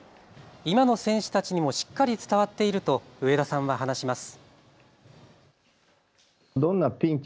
今の選手たちにもしっかり伝わっていると上田さんは話します。